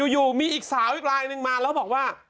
อยู่มีอีกสาวอีกลายนึงมาแล้วบอกว่า